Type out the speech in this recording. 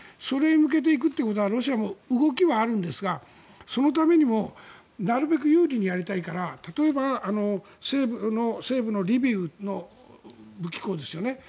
それへ向けていくということはロシアも動きはあるんですがそのためにもなるべく有利にやりたいから例えば西部のリビウの武器庫ですよね。